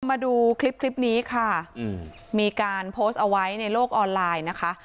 มาดูคลิปนี้ค่ะมีการโพสเอาไว้ในโลกออนไลน์นะคะ